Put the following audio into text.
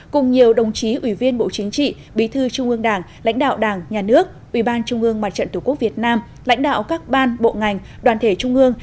cùng nhiều đồng chí ủy viên bộ chính trị bí thư trung ương đảng lãnh đạo đảng nhà nước ủy ban trung ương mặt trận tổ quốc việt nam lãnh đạo các ban bộ ngành đoàn thể trung ương